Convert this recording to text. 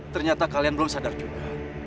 ternyata kalian belum sadar juga